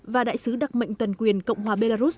và đại sứ đặc mệnh toàn quyền cộng hòa belarus